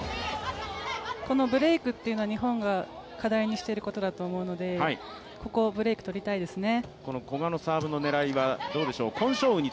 このブレイクというのは、日本が課題にしていることだと思うのでここ、ブレイク取りたいですね。